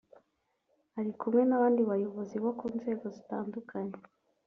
Ari kumwe n’abandi bayobozi bo ku nzego zitandukanye